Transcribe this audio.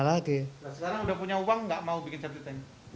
sekarang sudah punya uang tidak mau bikin safety tank